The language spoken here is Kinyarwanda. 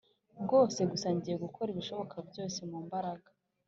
rwose gusa ngiye gukora ibishoboka byose mumbaraga